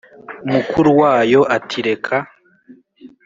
mukuru wayo ati reka-